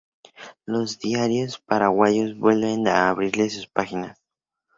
Los diarios paraguayos vuelven a abrirle sus páginas.